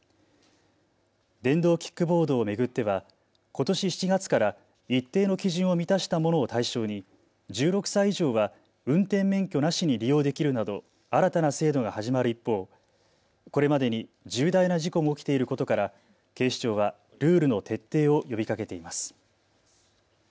電動キックボードを巡ってはことし７月から一定の基準を満たしたものを対象に１６歳以上は運転免許なしに利用できるなど新たな制度が始まる一方、これまでに重大な事故も起きていることから警視庁はルールの徹底を呼びかけています。